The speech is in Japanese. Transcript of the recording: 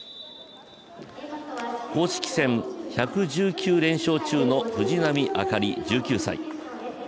公式戦１１９連勝中の藤波朱理１９歳。